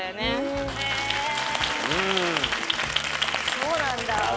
そうなんだ。